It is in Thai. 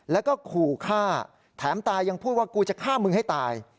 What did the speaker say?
แล้วก็ขู่ฆ่าแถมตายังพูดว่ากูจะฆ่ามึงให้ตาย